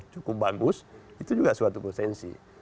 cukup bagus itu juga suatu potensi